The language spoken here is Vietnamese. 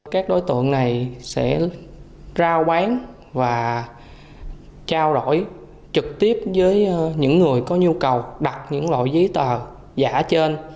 các đối tượng này sẽ rao bán và trao đổi trực tiếp với những người có nhu cầu đặt những loại giấy tờ giả trên